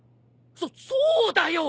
そそうだよ！